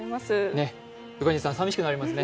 宇賀神さん、寂しくなりますね。